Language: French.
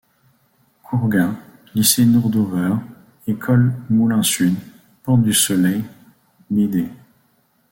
Courghain, Lycée Noordover, École Moulin Sud, Porte du Soleil, Bd.